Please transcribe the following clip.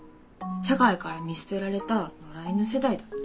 社会から見捨てられた野良犬世代だって。